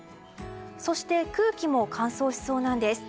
そして空気も乾燥しそうなんです。